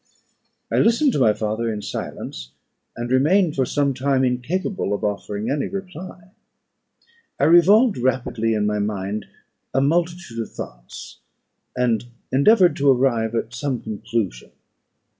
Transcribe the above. I listened to my father in silence, and remained for some time incapable of offering any reply. I revolved rapidly in my mind a multitude of thoughts, and endeavoured to arrive at some conclusion.